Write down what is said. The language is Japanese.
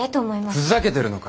ふざけてるのか。